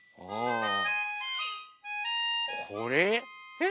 えっ？